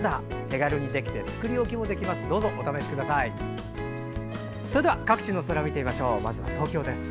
手軽にできて作り置きもできます。